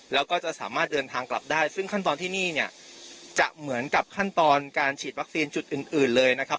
แล้วก็จะสามารถเดินทางกลับได้ซึ่งขั้นตอนที่นี่เนี่ยจะเหมือนกับขั้นตอนการฉีดวัคซีนจุดอื่นอื่นเลยนะครับ